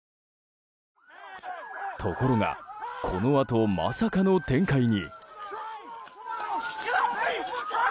ところがこのあと、まさかの展開に。